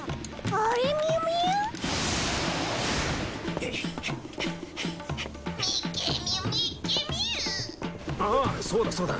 ああそうだそうだ。